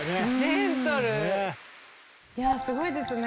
いやすごいですね！